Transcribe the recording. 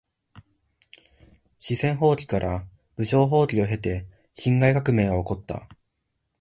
四川蜂起から武昌蜂起を経て辛亥革命は起こった。